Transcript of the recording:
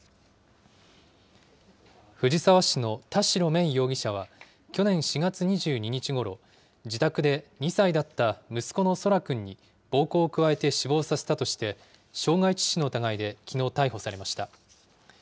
藤沢市の田代芽衣容疑者は去年４月２２日ごろ、自宅で２歳だった息子の空来くんに暴行を加えて死亡させたとして、傷害致死の疑いできのう逮捕されました。